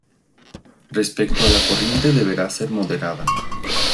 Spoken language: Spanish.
Respecto a la corriente, deberá ser moderada.